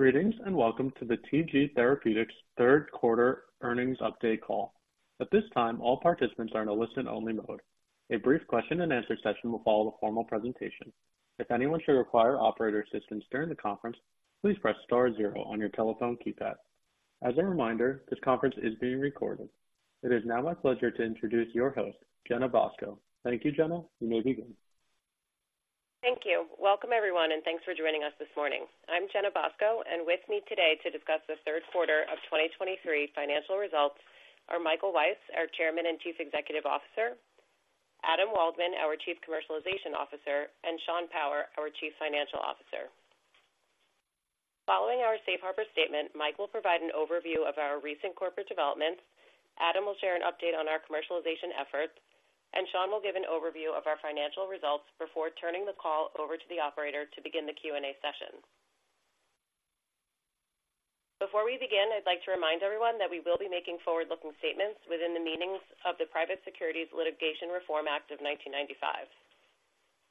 Greetings, and welcome to the TG Therapeutics Third Quarter Earnings Update Call. At this time, all participants are in a listen-only mode. A brief question-and-answer session will follow the formal presentation. If anyone should require operator assistance during the conference, please press star zero on your telephone keypad. As a reminder, this conference is being recorded. It is now my pleasure to introduce your host, Jenna Bosco. Thank you, Jenna. You may begin. Thank you. Welcome, everyone, and thanks for joining us this morning. I'm Jenna Bosco, and with me today to discuss the Third Quarter of 2023 Financial Results are Michael Weiss, our Chairman and Chief Executive Officer, Adam Waldman, our Chief Commercialization Officer, and Sean Power, our Chief Financial Officer. Following our safe harbor statement, Mike will provide an overview of our recent corporate developments, Adam will share an update on our commercialization efforts, and Sean will give an overview of our financial results before turning the call over to the operator to begin the Q&A session. Before we begin, I'd like to remind everyone that we will be making forward-looking statements within the meanings of the Private Securities Litigation Reform Act of 1995.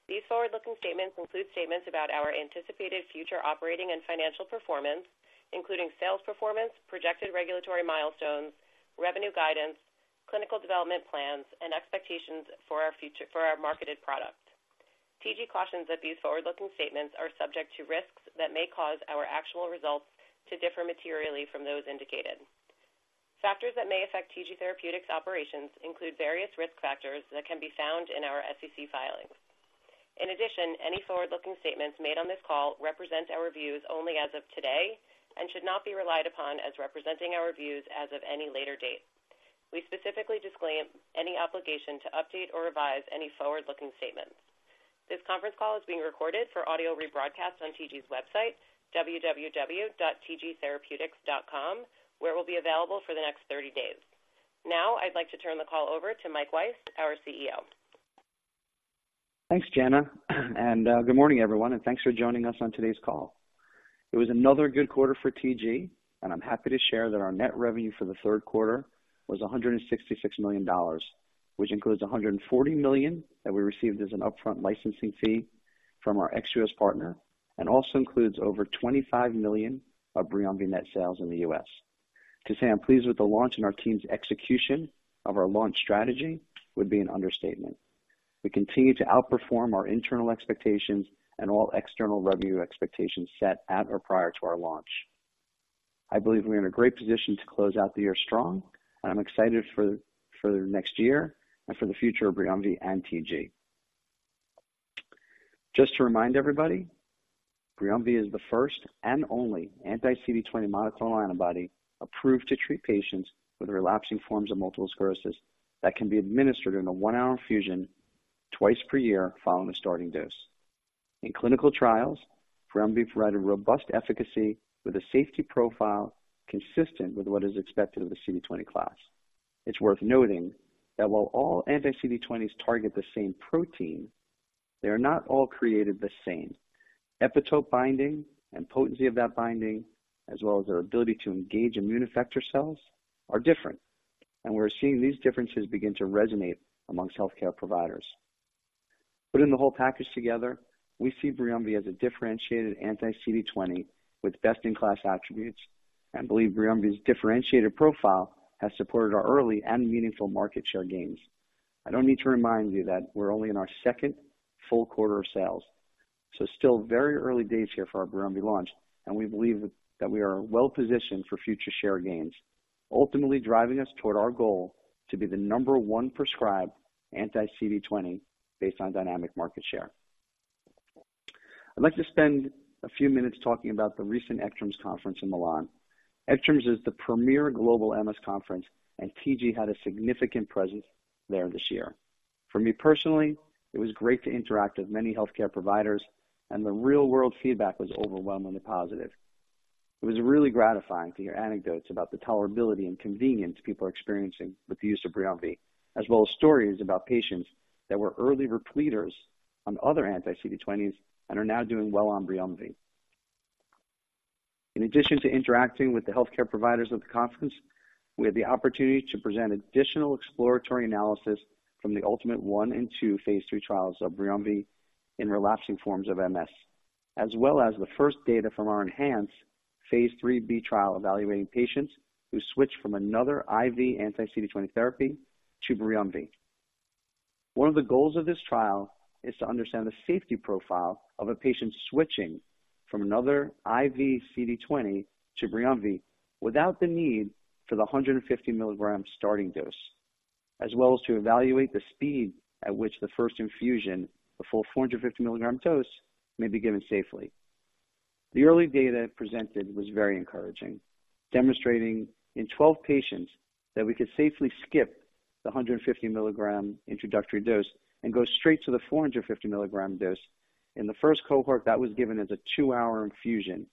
These forward-looking statements include statements about our anticipated future operating and financial performance, including sales performance, projected regulatory milestones, revenue guidance, clinical development plans, and expectations for our future marketed product. TG cautions that these forward-looking statements are subject to risks that may cause our actual results to differ materially from those indicated. Factors that may affect TG Therapeutics operations include various risk factors that can be found in our SEC filings. In addition, any forward-looking statements made on this call represent our views only as of today, and should not be relied upon as representing our views as of any later date. We specifically disclaim any obligation to update or revise any forward-looking statements. This conference call is being recorded for audio rebroadcast on TG's website, www.tgtherapeutics.com, where it will be available for the next 30 days. Now, I'd like to turn the call over to Mike Weiss, our CEO. Thanks, Jenna, and good morning, everyone, and thanks for joining us on today's call. It was another good quarter for TG, and I'm happy to share that our net revenue for the third quarter was $166 million, which includes $140 million that we received as an upfront licensing fee from our ex-U.S. partner, and also includes over $25 million of BRIUMVI net sales in the U.S. To say I'm pleased with the launch and our team's execution of our launch strategy would be an understatement. We continue to outperform our internal expectations and all external revenue expectations set at or prior to our launch. I believe we're in a great position to close out the year strong, and I'm excited for, for the next year and for the future of BRIUMVI and TG. Just to remind everybody, BRIUMVI is the first and only anti-CD20 monoclonal antibody approved to treat patients with relapsing forms of multiple sclerosis that can be administered in a one-hour infusion twice per year following the starting dose. In clinical trials, BRIUMVI provided a robust efficacy with a safety profile consistent with what is expected of the CD20 class. It's worth noting that while all anti-CD20s target the same protein, they are not all created the same. Epitope binding and potency of that binding, as well as their ability to engage immune effector cells, are different, and we're seeing these differences begin to resonate among healthcare providers. Putting the whole package together, we see BRIUMVI as a differentiated anti-CD20 with best-in-class attributes. I believe BRIUMVI's differentiated profile has supported our early and meaningful market share gains. I don't need to remind you that we're only in our second full quarter of sales, so still very early days here for our BRIUMVI launch, and we believe that we are well positioned for future share gains, ultimately driving us toward our goal to be the number one prescribed anti-CD20 based on dynamic market share. I'd like to spend a few minutes talking about the recent ECTRIMS conference in Milan. ECTRIMS is the premier global MS conference, and TG had a significant presence there this year. For me personally, it was great to interact with many healthcare providers, and the real-world feedback was overwhelmingly positive. It was really gratifying to hear anecdotes about the tolerability and convenience people are experiencing with the use of BRIUMVI, as well as stories about patients that were early relapsers on other anti-CD20s and are now doing well on BRIUMVI. In addition to interacting with the healthcare providers of the conference, we had the opportunity to present additional exploratory analysis from the ULTIMATE I and II phase III trials of BRIUMVI in relapsing forms of MS, as well as the first data from our enhanced phase IIIB trial, evaluating patients who switched from another IV anti-CD20 therapy to BRIUMVI. One of the goals of this trial is to understand the safety profile of a patient switching from another IV CD20 to BRIUMVI, without the need for the 150 mg starting dose, as well as to evaluate the speed at which the first infusion, the full 450 mg dose, may be given safely. The early data presented was very encouraging, demonstrating in 12 patients that we could safely skip the 150 mg introductory dose and go straight to the 450 mg dose. In the first cohort, that was given as a two hour infusion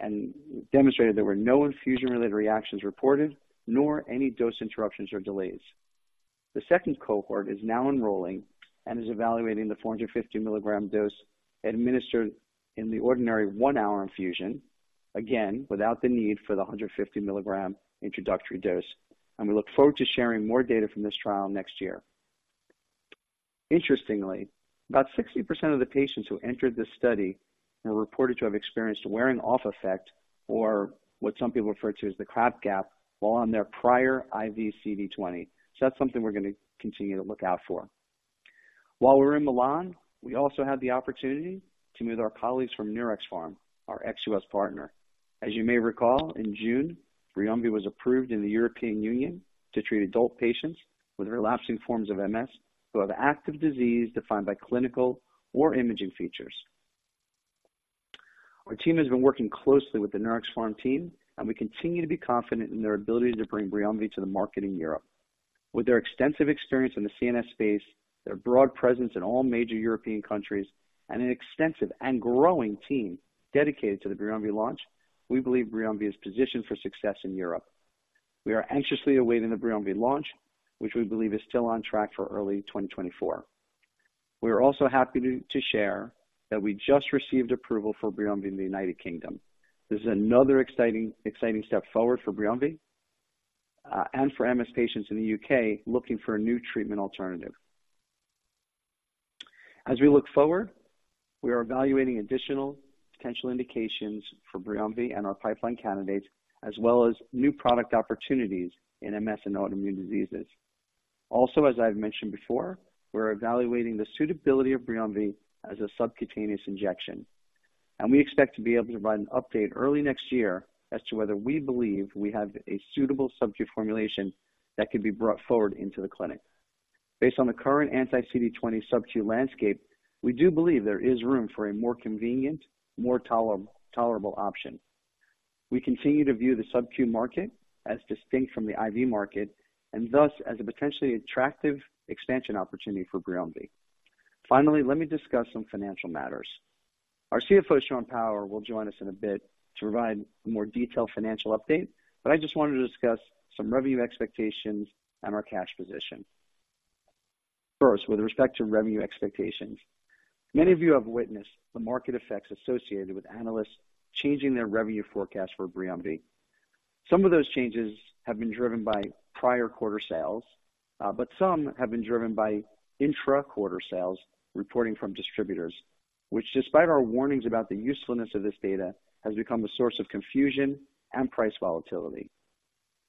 and demonstrated there were no infusion-related reactions reported, nor any dose interruptions or delays. The second cohort is now enrolling and is evaluating the 450 mg dose administered in the ordinary 1-hour infusion, again, without the need for the 150 mg introductory dose. We look forward to sharing more data from this trial next year. Interestingly, about 60% of the patients who entered this study have reported to have experienced wearing-off effect, or what some people refer to as the crap gap, while on their prior IV CD20. So that's something we're going to continue to look out for. While we were in Milan, we also had the opportunity to meet with our colleagues from Neuraxpharm, our ex-U.S. partner. As you may recall, in June, BRIUMVI was approved in the European Union to treat adult patients with relapsing forms of MS, who have active disease defined by clinical or imaging features. Our team has been working closely with the Neuraxpharm team, and we continue to be confident in their ability to bring BRIUMVI to the market in Europe. With their extensive experience in the CNS space, their broad presence in all major European countries, and an extensive and growing team dedicated to the BRIUMVI launch, we believe BRIUMVI is positioned for success in Europe. We are anxiously awaiting the BRIUMVI launch, which we believe is still on track for early 2024. We are also happy to share that we just received approval for BRIUMVI in the U.K. This is another exciting step forward for BRIUMVI and for MS patients in the U.K. looking for a new treatment alternative. As we look forward, we are evaluating additional potential indications for BRIUMVI and our pipeline candidates, as well as new product opportunities in MS and autoimmune diseases. Also, as I've mentioned before, we're evaluating the suitability of BRIUMVI as a subcutaneous injection, and we expect to be able to provide an update early next year as to whether we believe we have a suitable subcutaneous formulation that can be brought forward into the clinic. Based on the current anti-CD20 subcutaneous landscape, we do believe there is room for a more convenient, more tolerable option. We continue to view the subcutaneous market as distinct from the IV market, and thus as a potentially attractive expansion opportunity for BRIUMVI. Finally, let me discuss some financial matters. Our CFO, Sean Power, will join us in a bit to provide a more detailed financial update, but I just wanted to discuss some revenue expectations and our cash position. First, with respect to revenue expectations, many of you have witnessed the market effects associated with analysts changing their revenue forecast for BRIUMVI. Some of those changes have been driven by prior quarter sales, but some have been driven by intra-quarter sales reporting from distributors, which, despite our warnings about the usefulness of this data, has become a source of confusion and price volatility.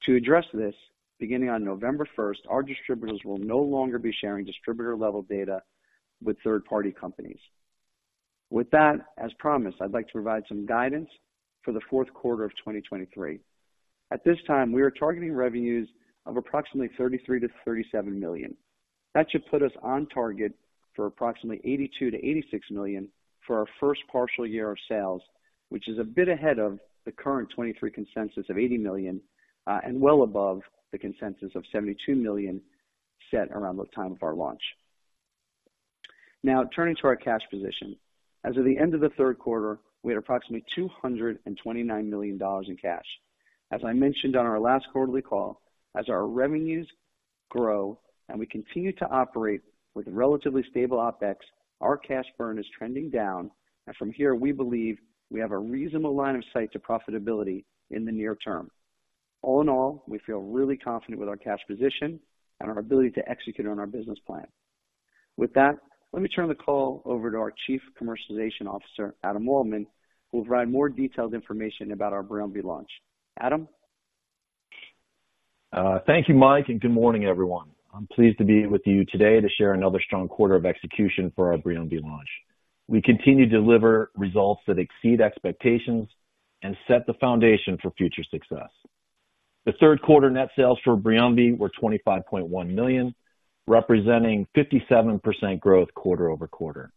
To address this, beginning on November first, our distributors will no longer be sharing distributor-level data with third-party companies. With that, as promised, I'd like to provide some guidance for the fourth quarter of 2023. At this time, we are targeting revenues of approximately $33 million-$37 million. That should put us on target for approximately $82 million-$86 million for our first partial year of sales, which is a bit ahead of the current 2023 consensus of $80 million, and well above the consensus of $72 million set around the time of our launch. Now, turning to our cash position. As of the end of the third quarter, we had approximately $229 million in cash. As I mentioned on our last quarterly call, as our revenues grow and we continue to operate with relatively stable OpEx, our cash burn is trending down, and from here, we believe we have a reasonable line of sight to profitability in the near term. All in all, we feel really confident with our cash position and our ability to execute on our business plan. With that, let me turn the call over to our Chief Commercialization Officer, Adam Waldman, who will provide more detailed information about our BRIUMVI launch. Adam? Thank you, Mike, and good morning, everyone. I'm pleased to be with you today to share another strong quarter of execution for our BRIUMVI launch. We continue to deliver results that exceed expectations and set the foundation for future success. The third quarter net sales for BRIUMVI were $25.1 million, representing 57% growth quarter-over-quarter.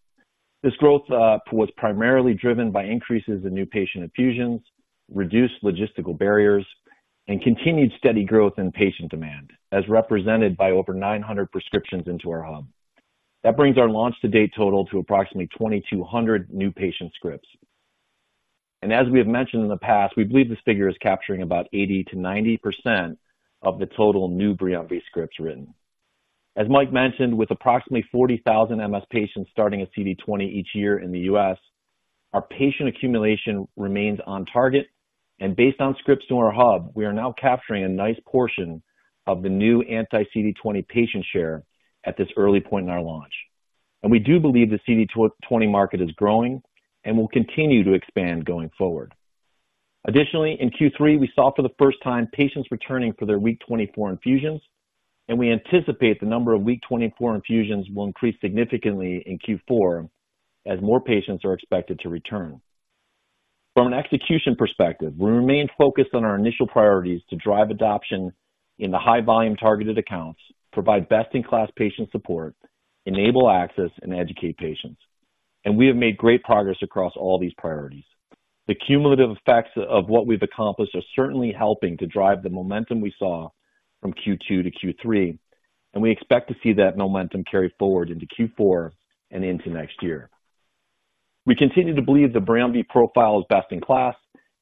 This growth was primarily driven by increases in new patient infusions, reduced logistical barriers, and continued steady growth in patient demand, as represented by over 900 prescriptions into our hub. That brings our launch-to-date total to approximately 2,200 new patient scripts. And as we have mentioned in the past, we believe this figure is capturing about 80%-90% of the total new BRIUMVI scripts written. As Mike mentioned, with approximately 40,000 MS patients starting a CD20 each year in the U.S., our patient accumulation remains on target, and based on scripts in our hub, we are now capturing a nice portion of the new anti-CD20 patient share at this early point in our launch. And we do believe the CD20 market is growing and will continue to expand going forward. Additionally, in Q3, we saw for the first time patients returning for their week 24 infusions, and we anticipate the number of week 24 infusions will increase significantly in Q4 as more patients are expected to return. From an execution perspective, we remain focused on our initial priorities to drive adoption in the high volume targeted accounts, provide best-in-class patient support, enable access and educate patients. And we have made great progress across all these priorities. The cumulative effects of what we've accomplished are certainly helping to drive the momentum we saw from Q2-Q3, and we expect to see that momentum carry forward into Q4 and into next year. We continue to believe the BRIUMVI profile is best in class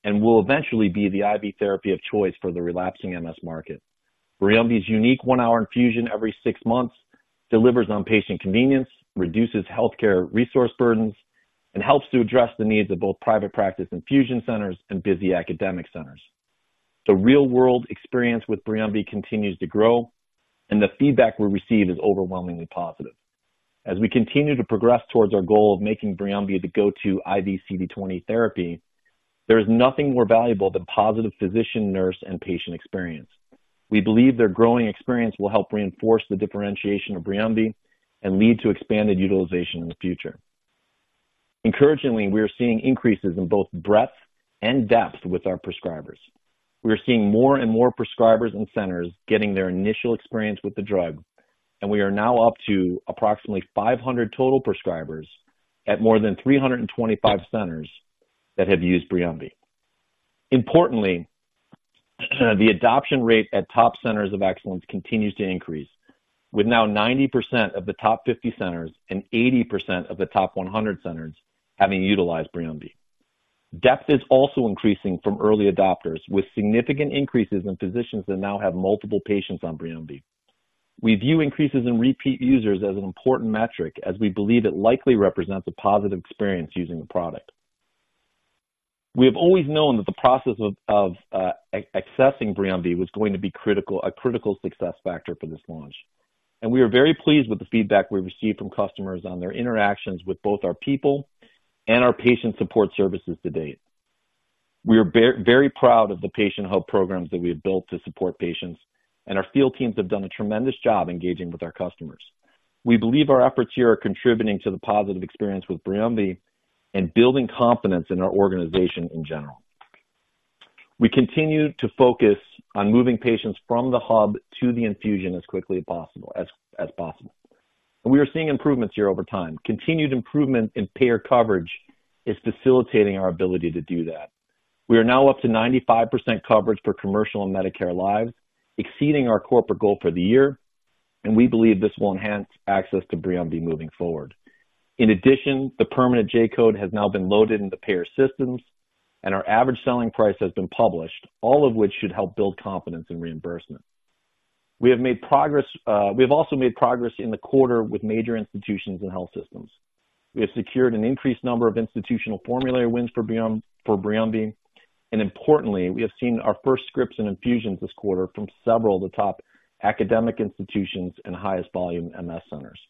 and will eventually be the IV therapy of choice for the relapsing MS market. BRIUMVI's unique one-hour infusion every six months delivers on patient convenience, reduces healthcare resource burdens, and helps to address the needs of both private practice infusion centers and busy academic centers. The real-world experience with BRIUMVI continues to grow, and the feedback we receive is overwhelmingly positive. As we continue to progress towards our goal of making BRIUMVI the go-to IV CD20 therapy, there is nothing more valuable than positive physician, nurse, and patient experience. We believe their growing experience will help reinforce the differentiation of BRIUMVI and lead to expanded utilization in the future. Encouragingly, we are seeing increases in both breadth and depth with our prescribers. We are seeing more and more prescribers and centers getting their initial experience with the drug, and we are now up to approximately 500 total prescribers at more than 325 centers that have used BRIUMVI. Importantly, the adoption rate at top centers of excellence continues to increase, with now 90% of the top 50 centers and 80% of the top 100 centers having utilized BRIUMVI. Depth is also increasing from early adopters, with significant increases in physicians that now have multiple patients on BRIUMVI. We view increases in repeat users as an important metric, as we believe it likely represents a positive experience using the product. We have always known that the process of accessing BRIUMVI was going to be critical, a critical success factor for this launch, and we are very pleased with the feedback we've received from customers on their interactions with both our people and our patient support services to date. We are very proud of the patient hub programs that we have built to support patients, and our field teams have done a tremendous job engaging with our customers. We believe our efforts here are contributing to the positive experience with BRIUMVI and building confidence in our organization in general. We continue to focus on moving patients from the hub to the infusion as quickly as possible. We are seeing improvements here over time. Continued improvement in payer coverage is facilitating our ability to do that. We are now up to 95% coverage for commercial and Medicare lives, exceeding our corporate goal for the year, and we believe this will enhance access to BRIUMVI moving forward. In addition, the permanent J-code has now been loaded into payer systems, and our average selling price has been published, all of which should help build confidence in reimbursement. We have made progress, we have also made progress in the quarter with major institutions and health systems. We have secured an increased number of institutional formulary wins for BRIUMVI, and importantly, we have seen our first scripts and infusions this quarter from several of the top academic institutions and highest volume MS centers.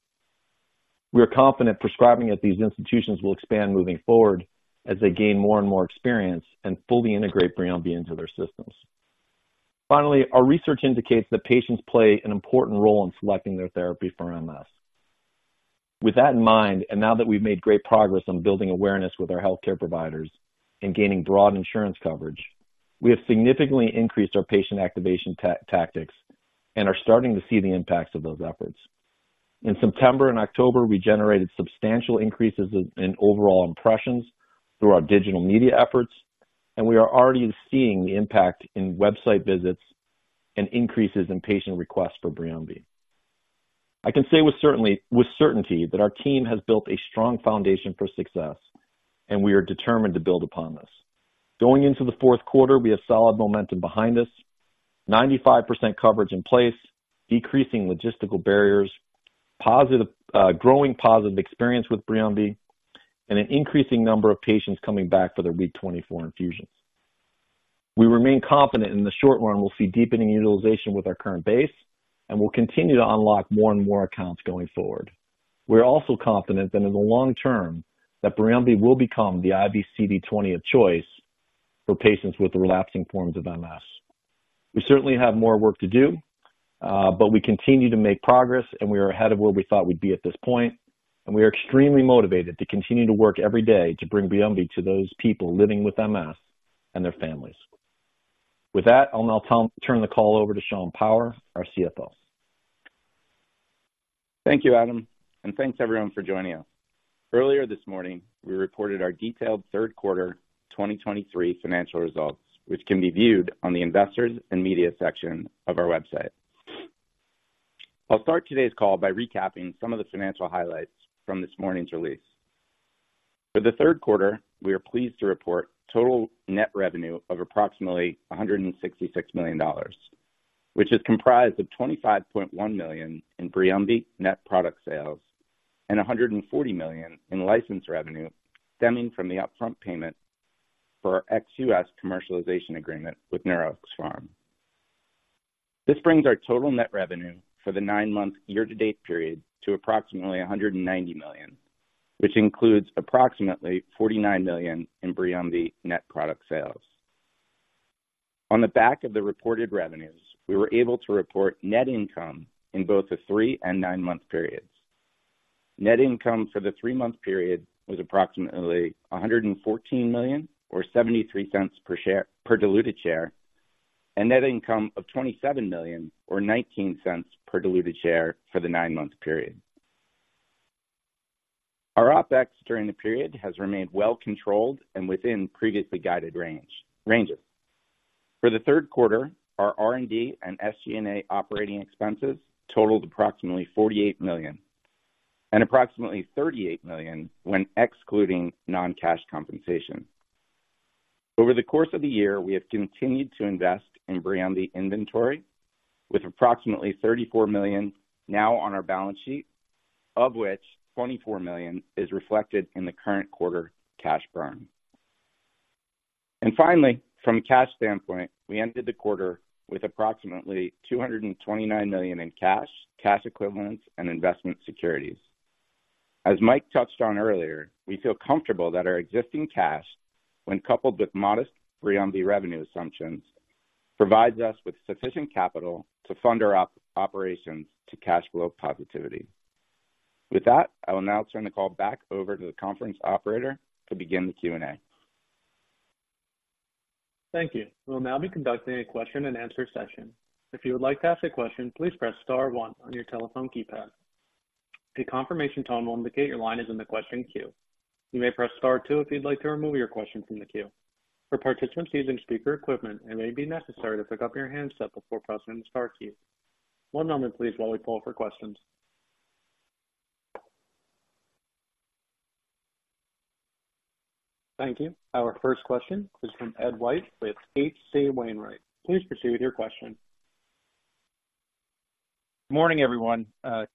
We are confident prescribing at these institutions will expand moving forward as they gain more and more experience and fully integrate BRIUMVI into their systems. Finally, our research indicates that patients play an important role in selecting their therapy for MS. With that in mind, and now that we've made great progress on building awareness with our healthcare providers and gaining broad insurance coverage, we have significantly increased our patient activation tactics and are starting to see the impacts of those efforts. In September and October, we generated substantial increases in overall impressions through our digital media efforts, and we are already seeing the impact in website visits and increases in patient requests for BRIUMVI. I can say with certainty that our team has built a strong foundation for success, and we are determined to build upon this. Going into the fourth quarter, we have solid momentum behind us, 95% coverage in place, decreasing logistical barriers, positive, growing positive experience with BRIUMVI, and an increasing number of patients coming back for their week 24 infusions. We remain confident in the short run we'll see deepening utilization with our current base, and we'll continue to unlock more and more accounts going forward. We're also confident that in the long term, that BRIUMVI will become the IV CD20 of choice for patients with the relapsing forms of MS. We certainly have more work to do, but we continue to make progress, and we are ahead of where we thought we'd be at this point, and we are extremely motivated to continue to work every day to bring BRIUMVI to those people living with MS and their families. With that, I'll now turn the call over to Sean Power, our CFO. Thank you, Adam, and thanks everyone for joining us. Earlier this morning, we reported our detailed third quarter 2023 financial results, which can be viewed on the investors and media section of our website. I'll start today's call by recapping some of the financial highlights from this morning's release. For the third quarter, we are pleased to report total net revenue of approximately $166 million, which is comprised of $25.1 million in BRIUMVI net product sales and $140 million in license revenue stemming from the upfront payment for our ex-U.S. commercialization agreement with Neuraxpharm. This brings our total net revenue for the nine-month year-to-date period to approximately $190 million, which includes approximately $49 million in BRIUMVI net product sales. On the back of the reported revenues, we were able to report net income in both the three and nine-month periods. Net income for the three-month period was approximately $114 million, or $0.73 per diluted share, and net income of $27 million, or $0.19 per diluted share for the nine-month period. Our OpEx during the period has remained well controlled and within previously guided range, ranges. For the third quarter, our R&D and SG&A operating expenses totaled approximately $48 million, and approximately $38 million when excluding non-cash compensation. Over the course of the year, we have continued to invest in BRIUMVI inventory, with approximately $34 million now on our balance sheet.... of which $24 million is reflected in the current quarter cash burn. Finally, from a cash standpoint, we ended the quarter with approximately $229 million in cash, cash equivalents and investment securities. As Mike touched on earlier, we feel comfortable that our existing cash, when coupled with modest BRIUMVI revenue assumptions, provides us with sufficient capital to fund our operations to cash flow positivity. With that, I will now turn the call back over to the conference operator to begin the Q&A. Thank you. We'll now be conducting a question-and-answer session. If you would like to ask a question, please press star one on your telephone keypad. A confirmation tone will indicate your line is in the question queue. You may press star two if you'd like to remove your question from the queue. For participants using speaker equipment, it may be necessary to pick up your handset before pressing the star key. One moment, please, while we pull for questions. Thank you. Our first question is from Ed White with H.C. Wainwright. Please proceed with your question. Morning, everyone.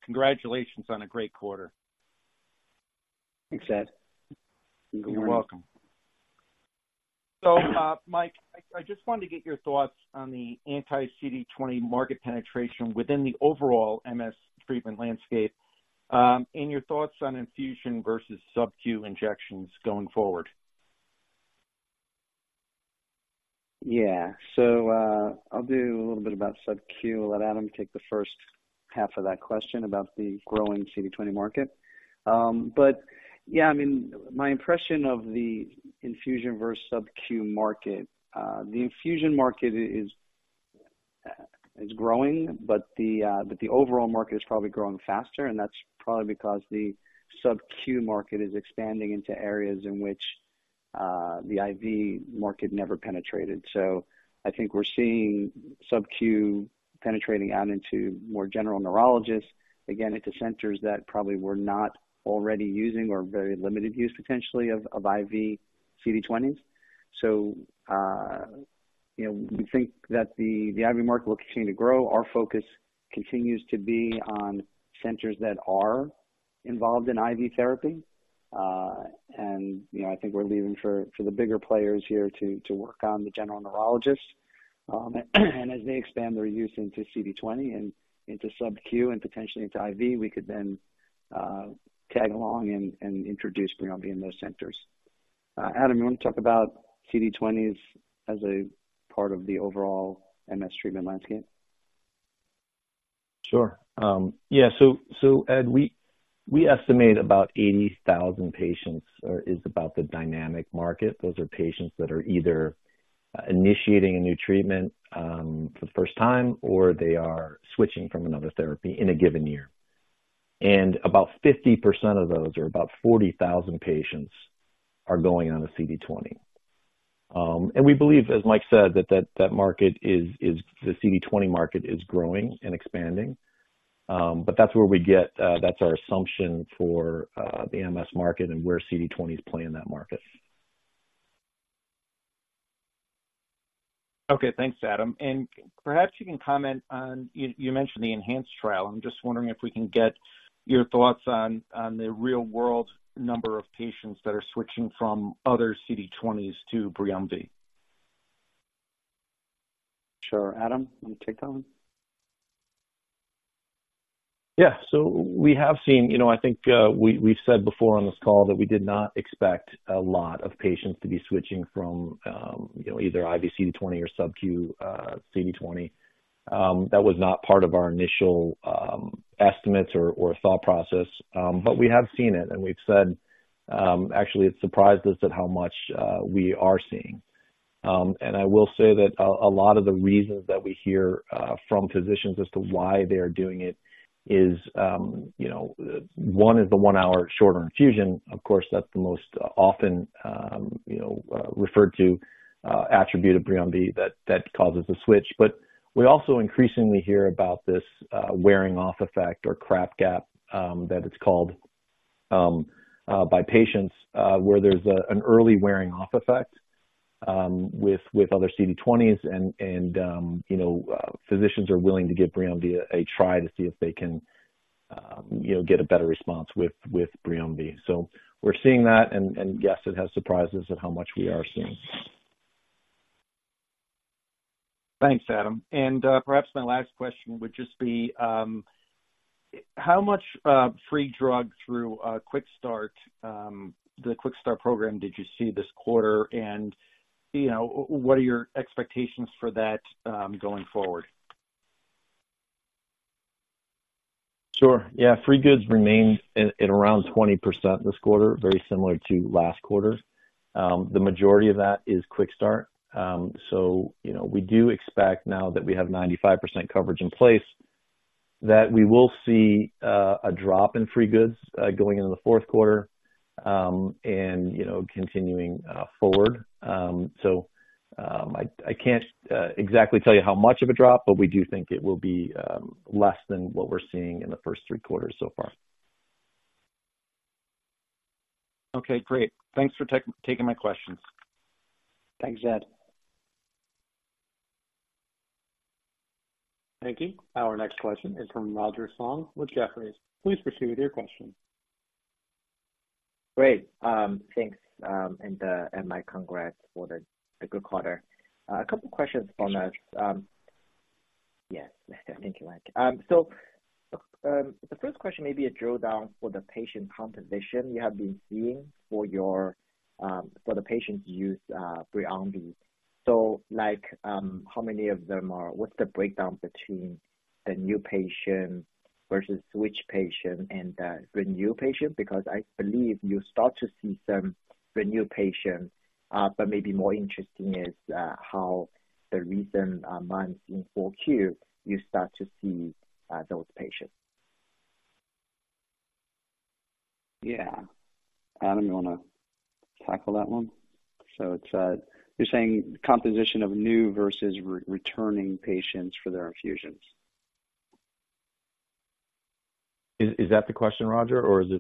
Congratulations on a great quarter. Thanks, Ed. Good morning. You're welcome. So, Mike, I just wanted to get your thoughts on the anti-CD20 market penetration within the overall MS treatment landscape, and your thoughts on infusion versus subcutaneous injections going forward. Yeah. So, I'll do a little bit about subcutaneous and let Adam take the first half of that question about the growing CD20 market. But yeah, I mean, my impression of the infusion versus subcutaneous market, the infusion market is growing, but the overall market is probably growing faster, and that's probably because the subcutaneous market is expanding into areas in which the IV market never penetrated. So I think we're seeing subcutaneous penetrating out into more general neurologists, again, into centers that probably were not already using or very limited use potentially of IV CD20s. So, you know, we think that the IV market will continue to grow. Our focus continues to be on centers that are involved in IV therapy. you know, I think we're leaving for the bigger players here to work on the general neurologists. And as they expand their use into CD20 and into subcutaneous and potentially into IV, we could then tag along and introduce BRIUMVI in those centers. Adam, you want to talk about CD20s as a part of the overall MS treatment landscape? Sure. Yeah, so Ed, we estimate about 80,000 patients is about the dynamic market. Those are patients that are either initiating a new treatment, for the first time, or they are switching from another therapy in a given year. And about 50% of those, or about 40,000 patients, are going on a CD20. And we believe, as Mike said, that market is the CD20 market is growing and expanding. But that's where we get, that's our assumption for, the MS market and where CD20 is playing in that market. Okay. Thanks, Adam. And perhaps you can comment on, you mentioned the enhanced trial. I'm just wondering if we can get your thoughts on the real-world number of patients that are switching from other CD20s to BRIUMVI. Sure. Adam, you want to take that one? Yeah. So we have seen, you know, I think, we, we've said before on this call that we did not expect a lot of patients to be switching from, you know, either IV CD20 or subcutaneous CD20. That was not part of our initial estimates or thought process. But we have seen it, and we've said, actually, it surprised us at how much we are seeing. And I will say that a lot of the reasons that we hear from physicians as to why they are doing it is, you know, one is the one-hour shorter infusion. Of course, that's the most often, you know, referred to attribute of BRIUMVI that causes a switch. But we also increasingly hear about this wearing off effect, or crap gap, that it's called by patients, where there's an early wearing off effect with other CD20s and you know, physicians are willing to give BRIUMVI a try to see if they can you know, get a better response with BRIUMVI. So we're seeing that, and yes, it has surprised us at how much we are seeing. Thanks, Adam. And, perhaps my last question would just be, how much free drug through QuickStart, the QuickStart program did you see this quarter? And, you know, what are your expectations for that, going forward? Sure. Yeah, free goods remained at around 20% this quarter, very similar to last quarter. The majority of that is QuickStart. So, you know, we do expect now that we have 95% coverage in place, that we will see a drop in free goods going into the fourth quarter, and, you know, continuing forward. So, I can't exactly tell you how much of a drop, but we do think it will be less than what we're seeing in the first three quarters so far. Okay, great. Thanks for taking my questions. Thanks, Ed. Thank you. Our next question is from Roger Song with Jefferies. Please proceed with your question. Great. Thanks. And my congrats for the good quarter. A couple questions from us. Yes, thank you, Mike. So, the first question, maybe a drill down for the patient composition you have been seeing for your, for the patients use, BRIUMVI. So like, how many of them are... what's the breakdown between the new patient versus switch patient and the new patient? Because I believe you start to see some new patient, but maybe more interesting is, how the recent months in 4Q, you start to see those patients. Yeah. Adam, you want to tackle that one? So it's, you're saying composition of new versus re-returning patients for their infusions. Is that the question, Roger, or is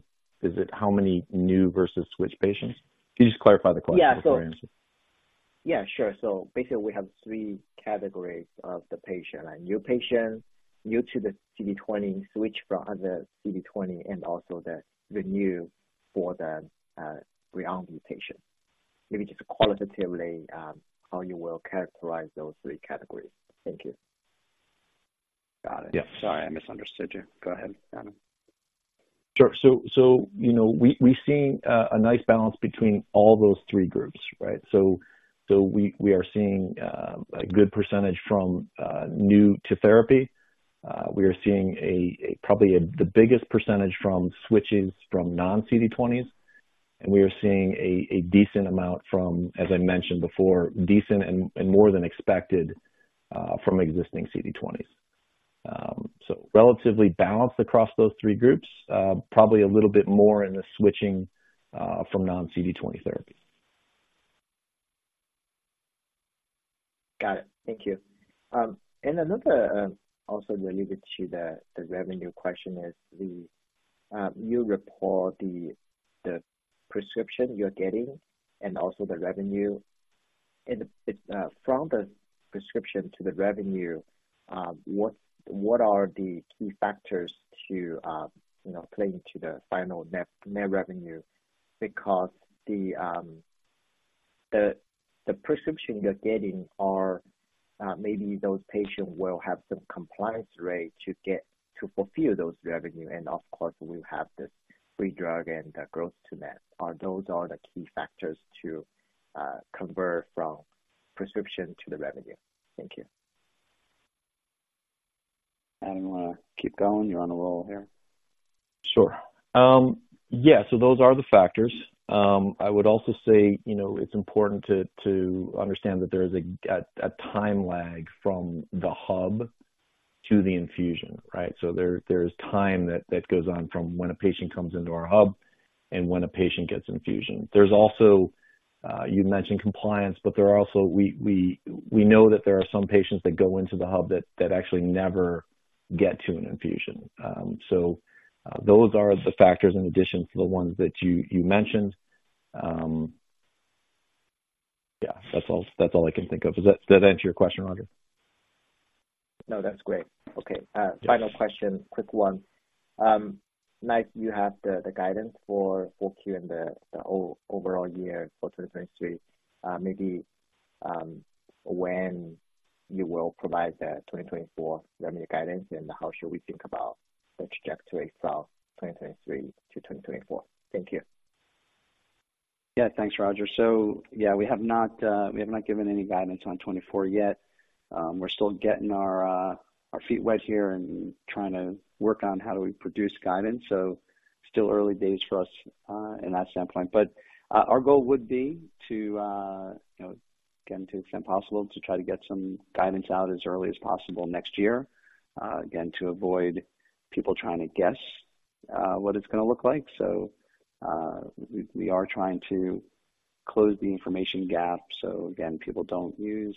it how many new versus switch patients? Can you just clarify the question before I answer? Yeah, sure. So basically, we have three categories of the patient: a new patient, new to the CD20, switch from other CD20, and also the new for the BRIUMVI patient. Maybe just qualitatively, how you will characterize those three categories. Thank you. Got it. Yeah. Sorry, I misunderstood you. Go ahead, Adam. Sure. So, you know, we've seen a nice balance between all those three groups, right? So we are seeing a good percentage from new to therapy. We are seeing probably the biggest percentage from switches from non-CD20s, and we are seeing a decent amount from, as I mentioned before, decent and more than expected from existing CD20s. So relatively balanced across those three groups, probably a little bit more in the switching from non-CD20 therapy. Got it. Thank you. And another, also related to the, the revenue question is the, you report the, the prescription you're getting and also the revenue. And, from the prescription to the revenue, what, what are the key factors to, you know, play into the final net, net revenue? Because the, the, the prescription you're getting are, maybe those patients will have some compliance rate to get to fulfill those revenue. And of course, we have the free drug and the growth to that. Are those are the key factors to, convert from prescription to the revenue? Thank you. Adam, keep going. You're on a roll here. Sure. Yeah, so those are the factors. I would also say, you know, it's important to understand that there is a time lag from the hub to the infusion, right? So there is time that goes on from when a patient comes into our hub and when a patient gets infusion. There's also, you mentioned compliance, but there are also we know that there are some patients that go into the hub that actually never get to an infusion. So those are the factors in addition to the ones that you mentioned. Yeah, that's all, that's all I can think of. Does that answer your question, Roger? No, that's great. Okay. Yes. Final question, quick one. Nice, you have the guidance for full Q and the overall year for 2023. Maybe, when you will provide the 2024 revenue guidance and how should we think about the trajectory from 2023-2024? Thank you. Yeah. Thanks, Roger. So yeah, we have not, we have not given any guidance on 2024 yet. We're still getting our, our feet wet here and trying to work on how do we produce guidance. So still early days for us, in that standpoint. But, our goal would be to, you know, again, to the extent possible, to try to get some guidance out as early as possible next year, again, to avoid people trying to guess, what it's gonna look like. So, we, we are trying to close the information gap. So again, people don't use,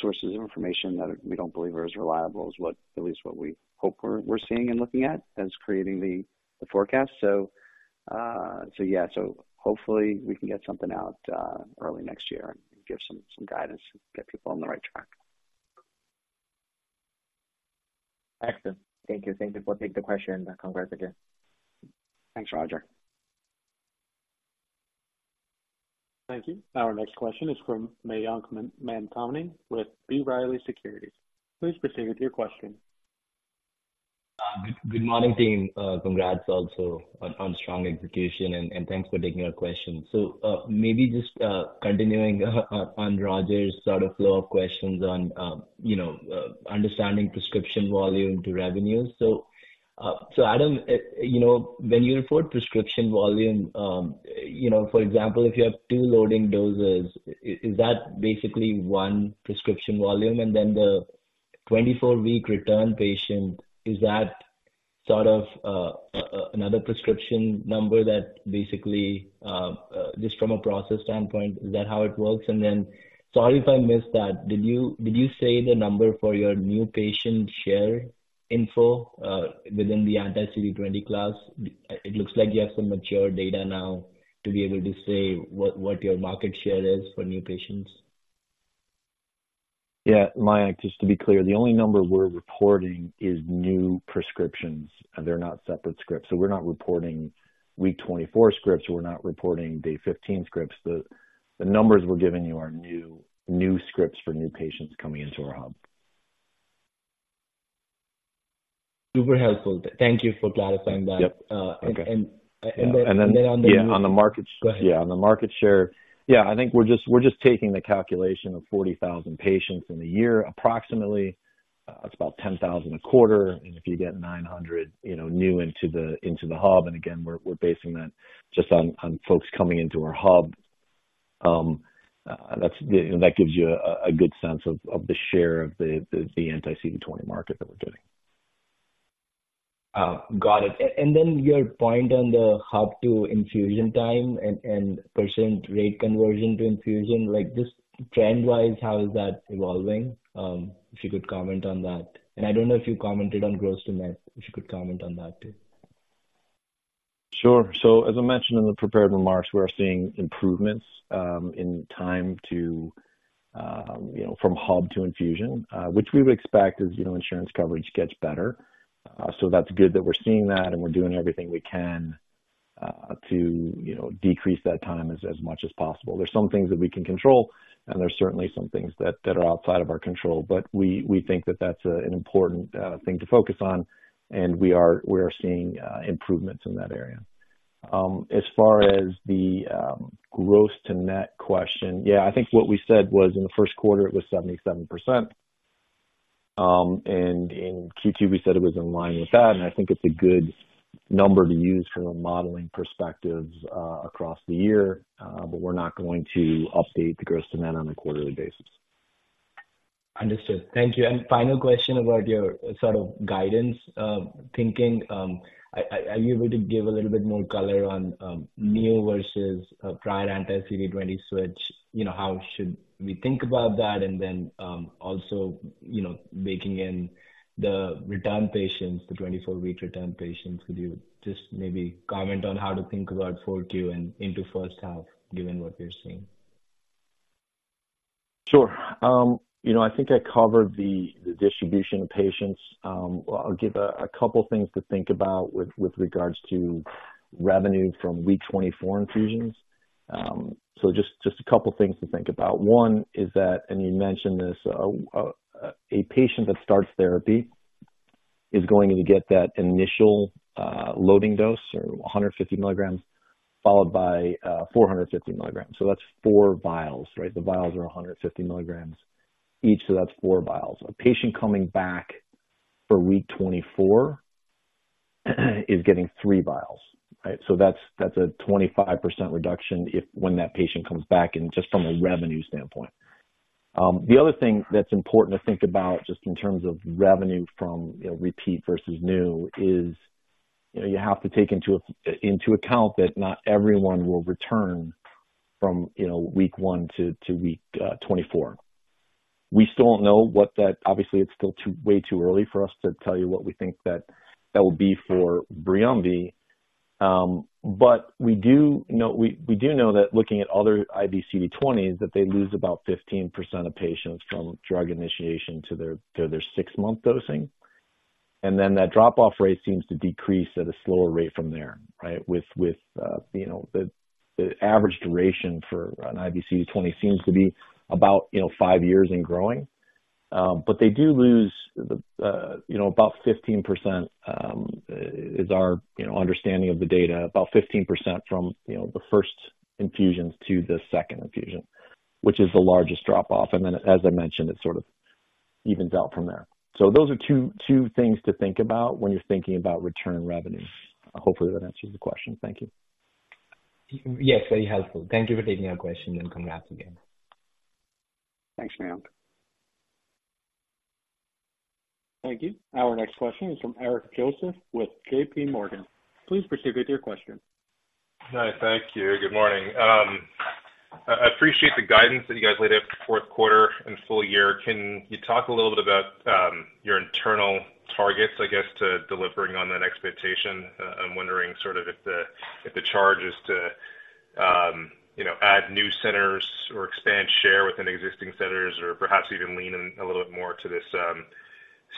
sources of information that we don't believe are as reliable as what, at least what we hope we're, we're seeing and looking at as creating the, the forecast. So, yeah, hopefully we can get something out early next year and give some guidance to get people on the right track. Excellent. Thank you. Thank you for taking the question, and congrats again. Thanks, Roger. Thank you. Our next question is from Mayank Mamtani with B. Riley Securities. Please proceed with your question. Good morning, team. Congrats also on strong execution and thanks for taking our question. So, maybe just continuing on Roger's sort of flow of questions on, you know, understanding prescription volume to revenue. So, so Adam, you know, when you report prescription volume, you know, for example, if you have two loading doses, is that basically one prescription volume? And then the 24-week return patient, is that sort of another prescription number that basically just from a process standpoint, is that how it works? And then, sorry if I missed that, did you, did you say the number for your new patient share info within the anti-CD20 class. It looks like you have some mature data now to be able to say what your market share is for new patients. Yeah, Mayank, just to be clear, the only number we're reporting is new prescriptions, and they're not separate scripts. So we're not reporting week 24 scripts. We're not reporting day 15 scripts. The numbers we're giving you are new, new scripts for new patients coming into our hub. Super helpful. Thank you for clarifying that. Yep. Okay. And then- And then, yeah, on the market- Go ahead. Yeah, on the market share. Yeah, I think we're just taking the calculation of 40,000 patients in a year, approximately. That's about 10,000 a quarter, and if you get 900, you know, new into the hub, and again, we're basing that just on folks coming into our hub. That's, you know, that gives you a good sense of the share of the anti-CD20 market that we're doing. Oh, got it. And then your point on the hub to infusion time and, and percent rate conversion to infusion, like, just trend wise, how is that evolving? If you could comment on that. And I don't know if you commented on gross to net, if you could comment on that too. Sure. So as I mentioned in the prepared remarks, we're seeing improvements in time to you know from hub to infusion, which we would expect as you know insurance coverage gets better. So that's good that we're seeing that, and we're doing everything we can to you know decrease that time as much as possible. There's some things that we can control, and there's certainly some things that are outside of our control, but we think that that's an important thing to focus on, and we are seeing improvements in that area. As far as the gross to net question, yeah, I think what we said was in the first quarter it was 77%. In Q2, we said it was in line with that, and I think it's a good number to use from a modeling perspective, across the year. But we're not going to update the gross to net on a quarterly basis. Understood. Thank you. Final question about your sort of guidance thinking. Are you able to give a little bit more color on new versus prior anti-CD20 switch? You know, how should we think about that? And then, also, you know, baking in the return patients, the 24-week return patients. Could you just maybe comment on how to think about 4Q and into first half, given what you're seeing? Sure. You know, I think I covered the distribution of patients. I'll give a couple things to think about with regards to revenue from week 24 infusions. So just a couple things to think about. One is that, and you mentioned this, a patient that starts therapy is going to get that initial loading dose of 150 mg, followed by 450 mg. So that's four vials, right? The vials are 150 mg each, so that's four vials. A patient coming back for week 24 is getting three vials, right? So that's a 25% reduction if when that patient comes back and just from a revenue standpoint. The other thing that's important to think about, just in terms of revenue from, you know, repeat versus new, is, you know, you have to take into account that not everyone will return from, you know, week one to week 24. We still don't know what that—obviously, it's still way too early for us to tell you what we think that will be for BRIUMVI. But we do know, we do know that looking at other anti-CD20s, that they lose about 15% of patients from drug initiation to their six-month dosing. And then that drop-off rate seems to decrease at a slower rate from there, right? With the average duration for an anti-CD20 seems to be about, you know, five years and growing. But they do lose the, you know, about 15% is our, you know, understanding of the data. About 15% from, you know, the first infusions to the second infusion, which is the largest drop-off. And then, as I mentioned, it sort of evens out from there. So those are two, two things to think about when you're thinking about return revenue. Hopefully that answers the question. Thank you. Yes, very helpful. Thank you for taking our question, and congrats again. Thanks, Mayank. Thank you. Our next question is from Eric Joseph with JPMorgan. Please proceed with your question. Hi. Thank you. Good morning. I appreciate the guidance that you guys laid out for fourth quarter and full year. Can you talk a little bit about your internal targets, I guess, to delivering on that expectation? I'm wondering sort of if the charge is to, you know, add new centers or expand share within existing centers, or perhaps even lean in a little bit more to this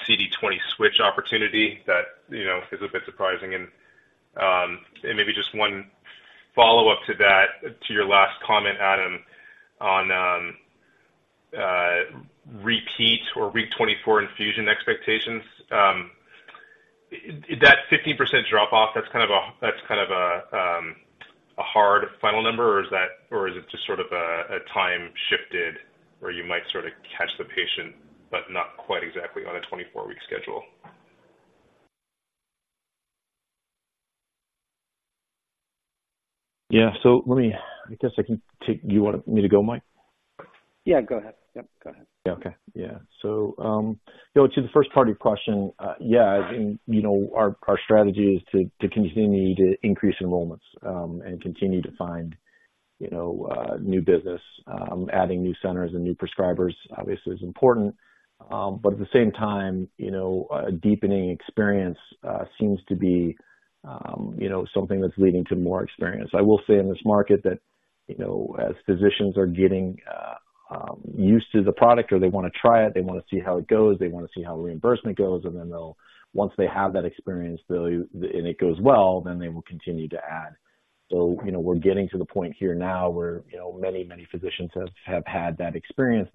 CD20 switch opportunity that, you know, is a bit surprising. And maybe just one follow-up to that, to your last comment, Adam, on repeat or week 24 infusion expectations. That 15% drop-off, that's kind of a hard final number, or is that... Or is it just sort of a time shifted where you might sort of catch the patient but not quite exactly on a 24-week schedule? Yeah. So let me... I guess I can take—do you want me to go, Mike? Yeah, go ahead. Yep, go ahead. Yeah. Okay. Yeah. So, you know, to the first part of your question, yeah, I think, you know, our, our strategy is to, to continue to increase enrollments, and continue to find new business, adding new centers and new prescribers obviously is important. But at the same time, you know, a deepening experience seems to be you know, something that's leading to more experience. I will say in this market that, you know, as physicians are getting used to the product or they wanna try it, they wanna see how it goes, they wanna see how reimbursement goes, and then they'll once they have that experience, they'll, and it goes well, then they will continue to add. So, you know, we're getting to the point here now where, you know, many, many physicians have had that experience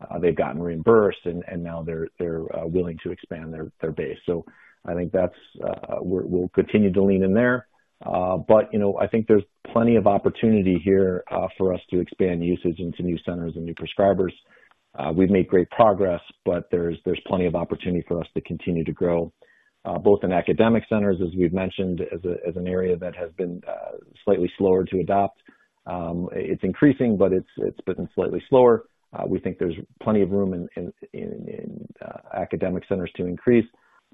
now. They've gotten reimbursed, and now they're willing to expand their base. So I think that's. We'll continue to lean in there. But, you know, I think there's plenty of opportunity here for us to expand usage into new centers and new prescribers. We've made great progress, but there's plenty of opportunity for us to continue to grow, both in academic centers, as we've mentioned, as an area that has been slightly slower to adopt. It's increasing, but it's been slightly slower. We think there's plenty of room in academic centers to increase.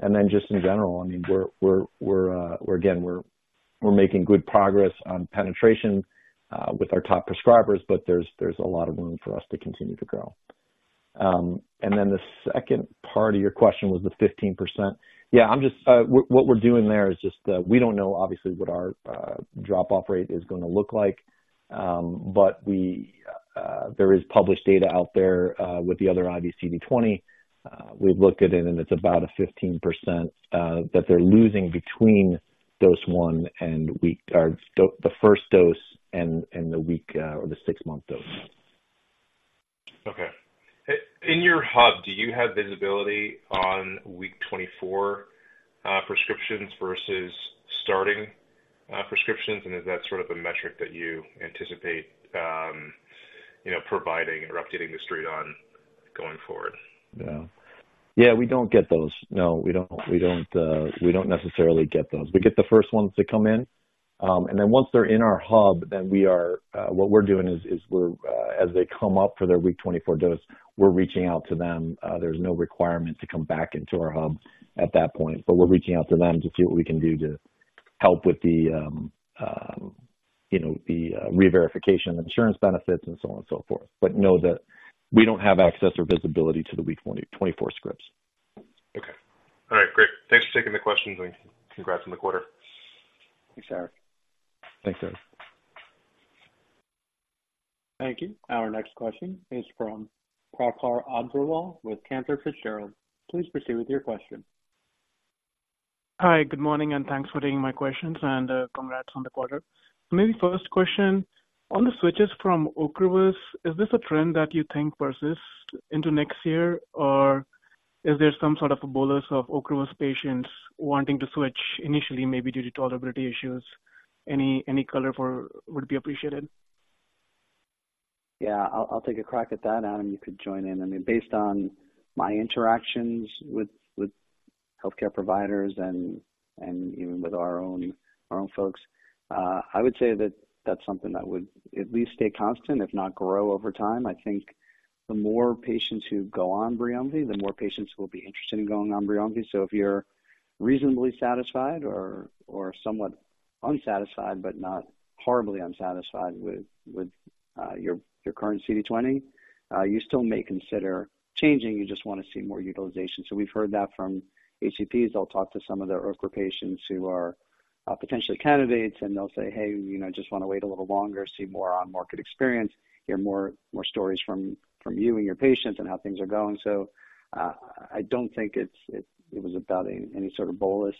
And then just in general, I mean, we're making good progress on penetration with our top prescribers, but there's a lot of room for us to continue to grow. And then the second part of your question was the 15%. Yeah, I'm just... What we're doing there is just that we don't know, obviously, what our drop-off rate is gonna look like. But there is published data out there with the other IV CD20. We've looked at it, and it's about a 15% that they're losing between dose one and the week or the first dose and the six-month dose. Okay. In your hub, do you have visibility on week 24 prescriptions versus starting prescriptions? And is that sort of a metric that you anticipate, you know, providing or updating the street on going forward? Yeah. Yeah, we don't get those. No, we don't, we don't necessarily get those. We get the first ones that come in. And then once they're in our hub, then we are what we're doing is we're as they come up for their week 24 dose, we're reaching out to them. There's no requirement to come back into our hub at that point, but we're reaching out to them to see what we can do to help with the, you know, the reverification of insurance benefits and so on and so forth. But no, the—we don't have access or visibility to the week 20, 24 scripts. Okay. All right, great. Thanks for taking the questions, and congrats on the quarter. Thanks, Eric. Thanks, Eric. Thank you. Our next question is from Prakhar Agrawal with Cantor Fitzgerald. Please proceed with your question. Hi, good morning, and thanks for taking my questions, and, congrats on the quarter. Maybe first question, on the switches from Ocrevus, is this a trend that you think persists into next year, or is there some sort of a bolus of Ocrevus patients wanting to switch initially, maybe due to tolerability issues? Any color would be appreciated. Yeah, I'll take a crack at that, Adam, you could join in. I mean, based on my interactions with healthcare providers and even with our own folks, I would say that that's something that would at least stay constant, if not grow over time. I think the more patients who go on BRIUMVI, the more patients will be interested in going on BRIUMVI. So if you're reasonably satisfied or somewhat unsatisfied, but not horribly unsatisfied with your current CD20, you still may consider changing. You just wanna see more utilization. So we've heard that from HCPs. They'll talk to some of their Ocrevus patients who are potentially candidates, and they'll say, "Hey, you know, I just wanna wait a little longer, see more on-market experience, hear more stories from you and your patients and how things are going." So, I don't think it's it was about any sort of bolus.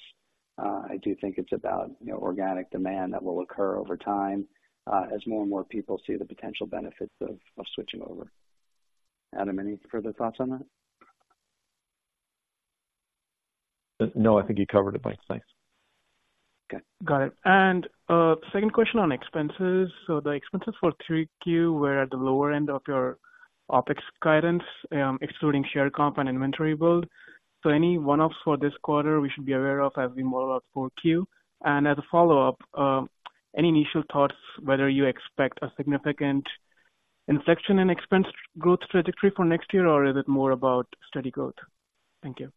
I do think it's about, you know, organic demand that will occur over time, as more and more people see the potential benefits of switching over. Adam, any further thoughts on that? No, I think you covered it, Mike. Thanks. Okay, got it. And, second question on expenses. So the expenses for 3Q were at the lower end of your OpEx guidance, excluding share comp and inventory build. So any one-offs for this quarter we should be aware of as we model out 4Q? And as a follow-up, any initial thoughts whether you expect a significant inflection in expense growth trajectory for next year, or is it more about steady growth? Thank you.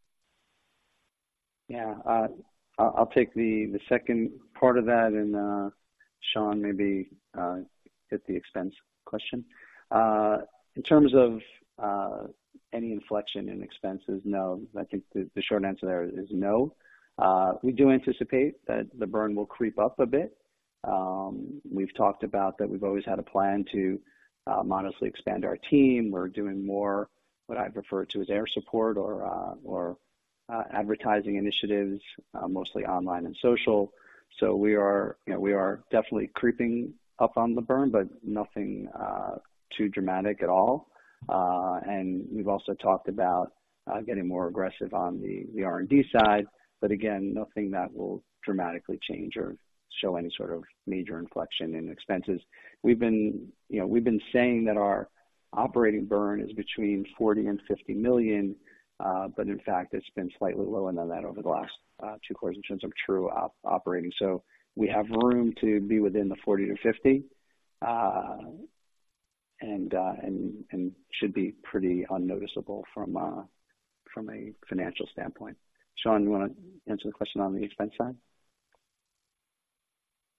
Yeah, I'll take the second part of that, and Sean, maybe get the expense question. In terms of any inflection in expenses, no. I think the short answer there is no. We do anticipate that the burn will creep up a bit. We've talked about that we've always had a plan to modestly expand our team. We're doing more what I refer to as air support or advertising initiatives, mostly online and social. So we are, you know, we are definitely creeping up on the burn, but nothing too dramatic at all. And we've also talked about getting more aggressive on the R&D side, but again, nothing that will dramatically change or show any sort of major inflection in expenses. We've been, you know, we've been saying that our operating burn is between $40 million and $50 million, but in fact, it's been slightly lower than that over the last two quarters in terms of true operating. So we have room to be within the $40 million-$50 million. And should be pretty unnoticeable from a financial standpoint. Sean, you want to answer the question on the expense side?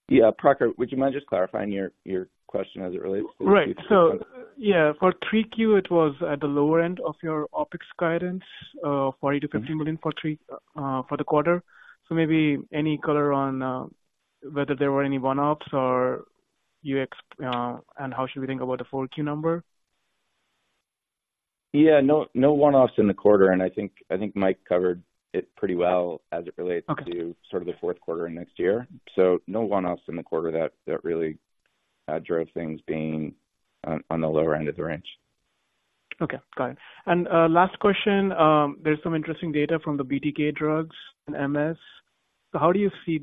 Yeah. Prakhar, would you mind just clarifying your question as it relates to- Right. So, yeah, for Q3, it was at the lower end of your OpEx guidance, $40 million-$50 million for Q3, for the quarter. So maybe any color on whether there were any one-offs, and how should we think about the full-year number? Yeah, no, no one-offs in the quarter, and I think, I think Mike covered it pretty well as it relates- Okay. to sort of the fourth quarter and next year. So no one-offs in the quarter that really drove things being on the lower end of the range. Okay, got it. Last question. There's some interesting data from the BTK drugs in MS. How do you see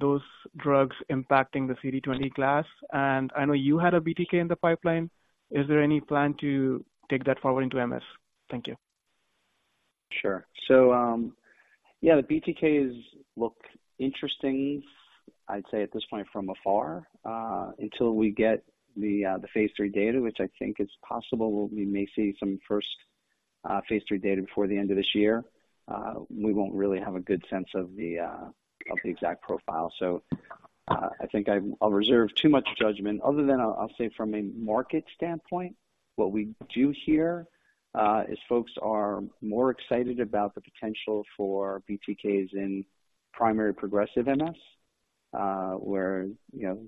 those drugs impacting the CD20 class? I know you had a BTK in the pipeline. Is there any plan to take that forward into MS? Thank you. Sure. So, yeah, the BTKs look interesting. I'd say at this point, from afar, until we get the, the phase III data, which I think is possible, we may see some first, phase III data before the end of this year. We won't really have a good sense of the, of the exact profile. So, I think I'll reserve too much judgment, other than I'll say from a market standpoint, what we do hear, is folks are more excited about the potential for BTKs in Primary Progressive MS, where, you know,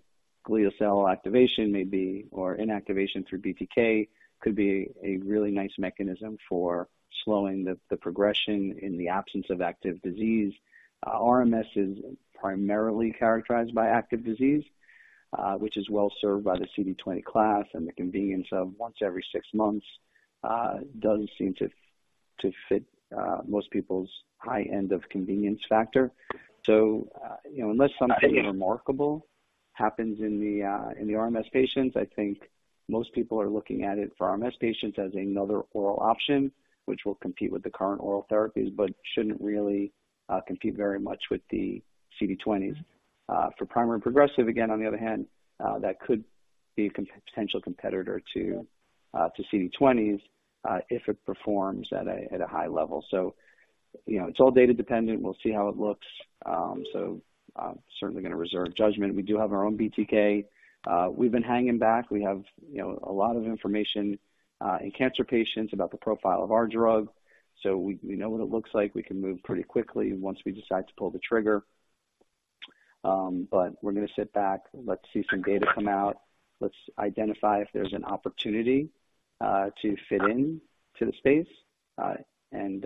glial cell activation may be, or inactivation through BTK, could be a really nice mechanism for slowing the, the progression in the absence of active disease. RMS is primarily characterized by active disease, which is well served by the CD20 class, and the convenience of once every six months does seem to fit most people's high end of convenience factor. So, you know, unless something remarkable happens in the RMS patients, I think most people are looking at it for RMS patients as another oral option, which will compete with the current oral therapies, but shouldn't really compete very much with the CD20s. For primary progressive, again, on the other hand, that could be a potential competitor to CD20s, if it performs at a high level. So, you know, it's all data dependent. We'll see how it looks. So, certainly going to reserve judgment. We do have our own BTK. We've been hanging back. We have, you know, a lot of information in cancer patients about the profile of our drug, so we know what it looks like. We can move pretty quickly once we decide to pull the trigger. But we're going to sit back. Let's see some data come out. Let's identify if there's an opportunity to fit in to the space, and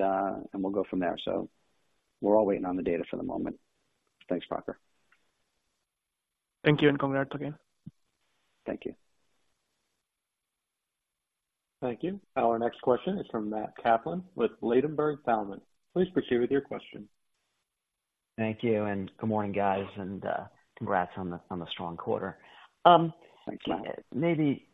we'll go from there. So we're all waiting on the data for the moment. Thanks, Prakhar. Thank you, and congrats again. Thank you. Thank you. Our next question is from Matt Kaplan with Ladenburg Thalmann. Please proceed with your question. Thank you, and good morning, guys, and congrats on the strong quarter. Thanks, Matt. Maybe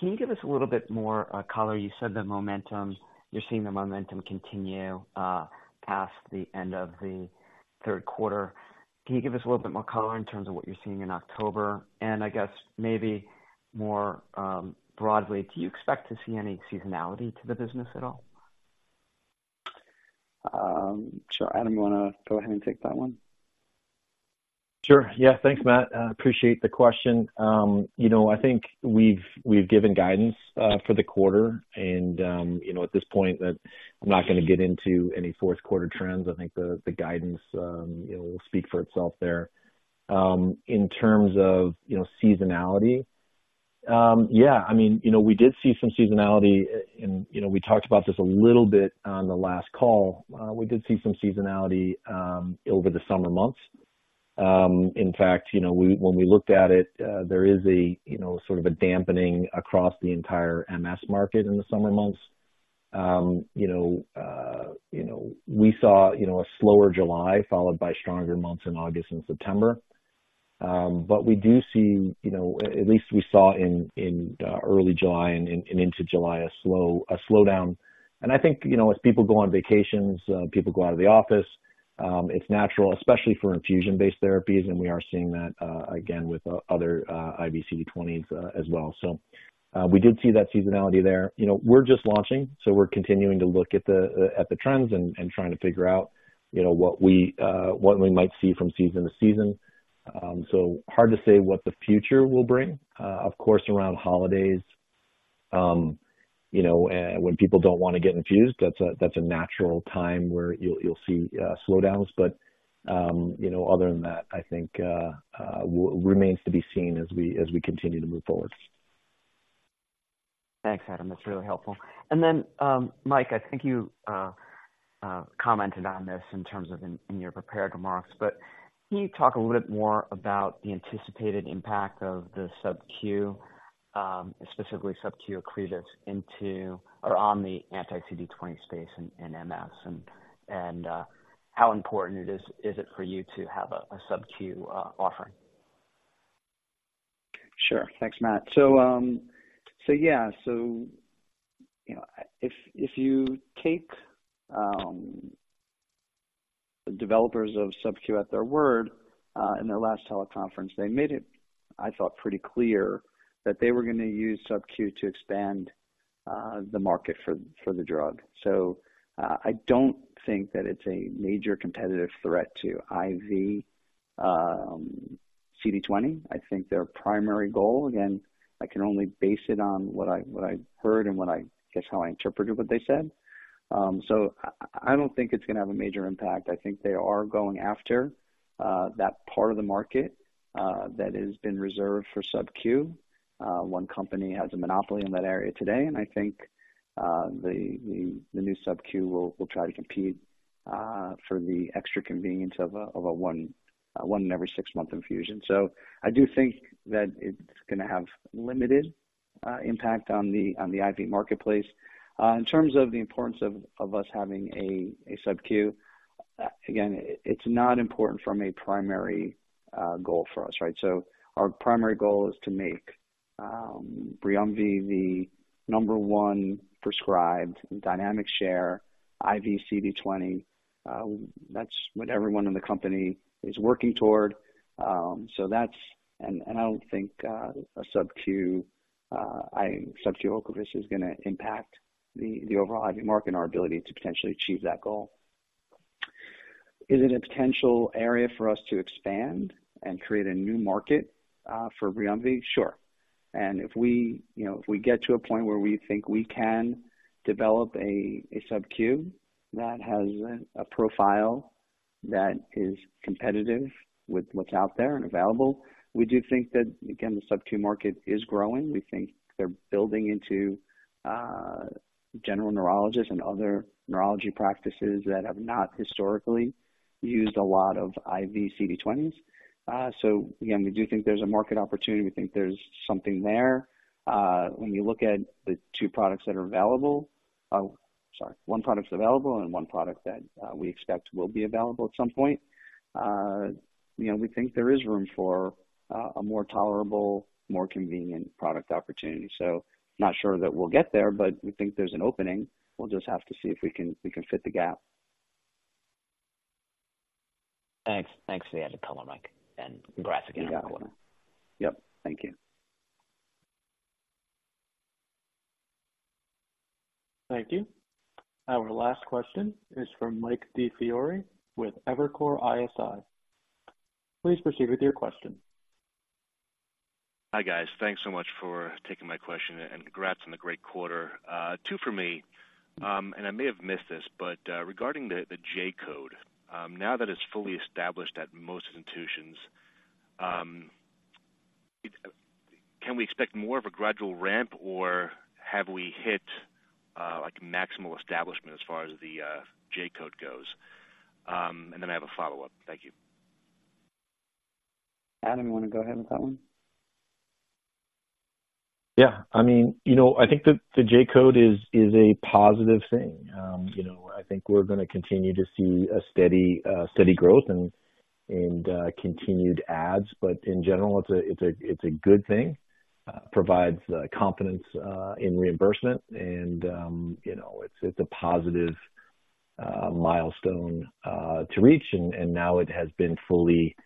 can you give us a little bit more color? You said the momentum... You're seeing the momentum continue past the end of the third quarter. Can you give us a little bit more color in terms of what you're seeing in October? And I guess maybe more broadly, do you expect to see any seasonality to the business at all? Sure. Adam, you want to go ahead and take that one? Sure. Yeah. Thanks, Matt. I appreciate the question. You know, I think we've given guidance for the quarter, and you know, at this point that I'm not going to get into any fourth quarter trends. I think the guidance you know, will speak for itself there. In terms of you know, seasonality, yeah, I mean, you know, we did see some seasonality and you know, we talked about this a little bit on the last call. We did see some seasonality over the summer months. In fact, you know, when we looked at it, there is a you know, sort of a dampening across the entire MS market in the summer months. You know, you know, we saw you know, a slower July, followed by stronger months in August and September. But we do see, you know, at least we saw in early July and into July, a slowdown. And I think, you know, as people go on vacations, people go out of the office, it's natural, especially for infusion-based therapies, and we are seeing that, again with other IV CD20s, as well. So, we did see that seasonality there. You know, we're just launching, so we're continuing to look at the trends and trying to figure out, you know, what we might see from season to season. So hard to say what the future will bring. Of course, around holidays, you know, when people don't want to get infused, that's a natural time where you'll see slowdowns. But, you know, other than that, I think, remains to be seen as we continue to move forward. Thanks, Adam. That's really helpful. And then, Mike, I think you commented on this in terms of your prepared remarks, but can you talk a little bit more about the anticipated impact of the subcutaneous, specifically subcutaneous Ocrevus, into or on the anti-CD20 space in MS, and how important it is for you to have a subcutaneous offering? Sure. Thanks, Matt. So, so yeah, so, you know, if, if you take the developers of subcutaneous at their word, in their last teleconference, they made it, I thought, pretty clear that they were going to use subcutaneous to expand the market for, for the drug. So, I don't think that it's a major competitive threat to IV, CD20. I think their primary goal, again, I can only base it on what I, what I heard and what I, guess, how I interpreted what they said. So I, I don't think it's going to have a major impact. I think they are going after that part of the market that has been reserved for subcutaneous. One company has a monopoly in that area today, and I think the new subcutaneous will try to compete for the extra convenience of a one every six-month infusion. So I do think that it's going to have limited impact on the IV marketplace. In terms of the importance of us having a subcutaneous, again, it's not important from a primary goal for us, right? So our primary goal is to make BRIUMVI the number one prescribed dynamic share IV CD20. That's what everyone in the company is working toward. And I don't think a subcutaneous Ocrevus is going to impact the overall IV market and our ability to potentially achieve that goal. Is it a potential area for us to expand and create a new market for BRIUMVI? Sure. And if we, you know, if we get to a point where we think we can develop a subcutaneous that has a profile that is competitive with what's out there and available, we do think that, again, the subcutaneous market is growing. We think they're building into general neurologists and other neurology practices that have not historically used a lot of IV CD20s. So again, we do think there's a market opportunity. We think there's something there. When you look at the two products that are available, sorry, one product is available and one product that we expect will be available at some point, you know, we think there is room for a more tolerable, more convenient product opportunity. Not sure that we'll get there, but we think there's an opening. We'll just have to see if we can, we can fit the gap. Thanks. Thanks for the added color, Mike, and congrats again on the quarter. Yep. Thank you. Thank you. Our last question is from Mike DiFiore with Evercore ISI. Please proceed with your question. Hi, guys. Thanks so much for taking my question, and congrats on the great quarter. Two for me. And I may have missed this, but regarding the J-code, now that it's fully established at most institutions, it... Can we expect more of a gradual ramp, or have we hit like maximal establishment as far as the J-code goes? And then I have a follow-up. Thank you. Adam, you want to go ahead with that one? Yeah. I mean, you know, I think the J-code is a positive thing. You know, I think we're going to continue to see a steady growth and continued ads. But in general, it's a good thing. Provides confidence in reimbursement and, you know, it's a positive milestone to reach, and now it has been fully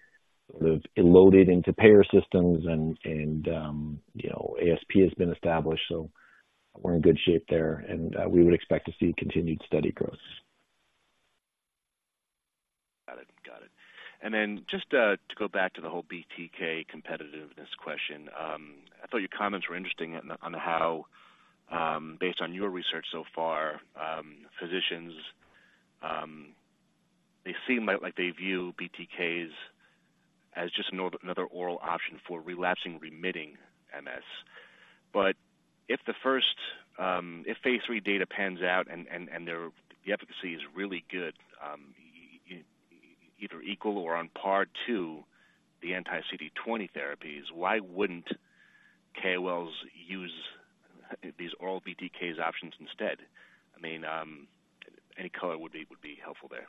sort of loaded into payer systems and, you know, ASP has been established, so we're in good shape there, and we would expect to see continued steady growth. Got it. Got it. And then just to go back to the whole BTK competitiveness question. I thought your comments were interesting on how, based on your research so far, physicians they seem like they view BTKs as just another oral option for relapsing/remitting MS. But if phase III data pans out and the efficacy is really good, either equal or on par to the anti-CD20 therapies, why wouldn't KOLs use these oral BTKs options instead? I mean, any color would be helpful there.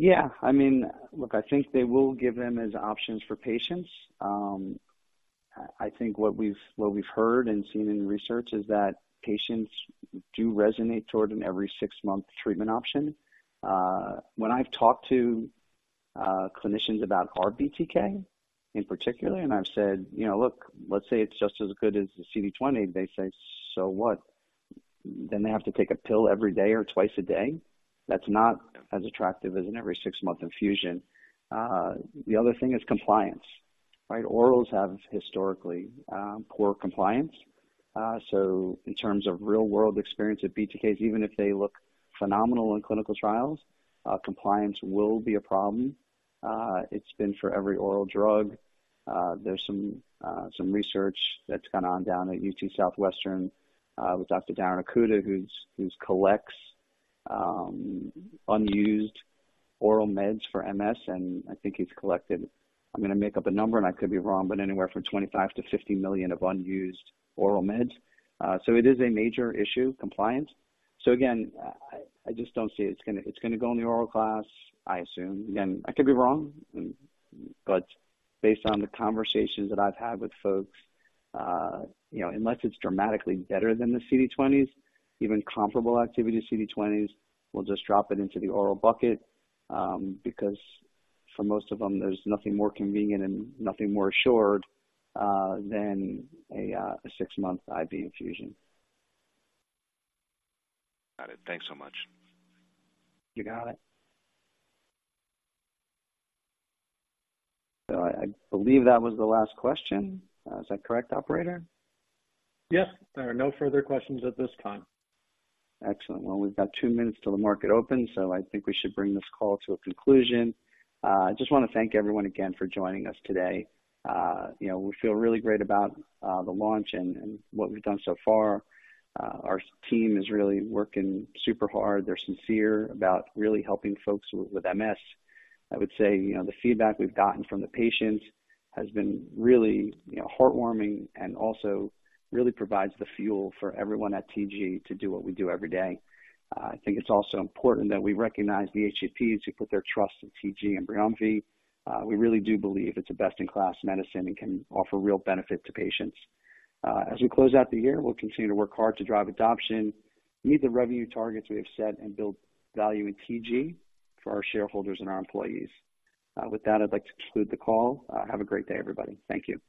Yeah. I mean, look, I think they will give them as options for patients. I think what we've, what we've heard and seen in the research is that patients do resonate toward an every six-month treatment option. When I've talked to clinicians about our BTK in particular, and I've said, "You know, look, let's say it's just as good as the CD20," they say, "So what? Then they have to take a pill every day or twice a day? That's not as attractive as an every six-month infusion." The other thing is compliance, right? Orals have historically poor compliance. So in terms of real-world experience with BTKs, even if they look phenomenal in clinical trials, compliance will be a problem. It's been for every oral drug. There's some research that's gone on down at UT Southwestern with Dr. Darin Okuda, who collects unused oral meds for MS, and I think he's collected, I'm going to make up a number, and I could be wrong, but anywhere from 25-50 million of unused oral meds. So it is a major issue, compliance. So again, I just don't see it. It's gonna go in the oral class, I assume. Again, I could be wrong, but based on the conversations that I've had with folks, you know, unless it's dramatically better than the CD20s, even comparable activity to CD20s, we'll just drop it into the oral bucket, because for most of them, there's nothing more convenient and nothing more assured than a six-month IV infusion. Got it. Thanks so much. You got it. So I, I believe that was the last question. Is that correct, Operator? Yes, there are no further questions at this time. Excellent. Well, we've got two minutes till the market opens, so I think we should bring this call to a conclusion. I just want to thank everyone again for joining us today. You know, we feel really great about the launch and what we've done so far. Our team is really working super hard. They're sincere about really helping folks with MS. I would say, you know, the feedback we've gotten from the patients has been really heartwarming and also really provides the fuel for everyone at TG to do what we do every day. I think it's also important that we recognize the HCPs who put their trust in TG and BRIUMVI. We really do believe it's a best-in-class medicine and can offer real benefit to patients. As we close out the year, we'll continue to work hard to drive adoption, meet the revenue targets we have set, and build value in TG for our shareholders and our employees. With that, I'd like to conclude the call. Have a great day, everybody. Thank you.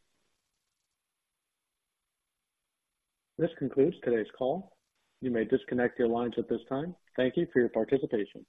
This concludes today's call. You may disconnect your lines at this time. Thank you for your participation.